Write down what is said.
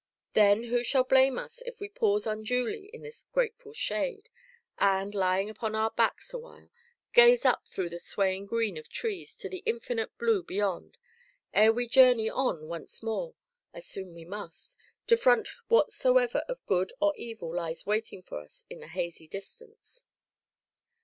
Then who shall blame us if we pause unduly in this grateful shade, and, lying upon our backs a while, gaze up through the swaying green of trees to the infinite blue beyond, ere we journey on once more, as soon we must, to front whatsoever of good or evil lies waiting for us in the hazy distance.